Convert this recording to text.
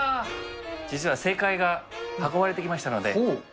実は正解が運ばれてきました